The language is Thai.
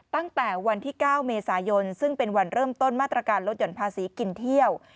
ตั้งแต่วันที่๙เมษายนซึ่งเป็นวันเริ่มต้นมาตรการลดหย่อนภาษีกินเที่ยว